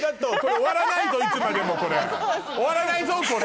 終わらないぞこれ。